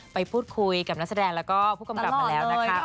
ไปพูดคุยกับนักแสดงแล้วก็ผู้กำกับมาแล้วนะคะ